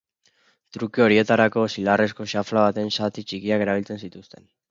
Truke horietarako, zilarrezko xafla baten zati txikiak erabiltzen zituzten.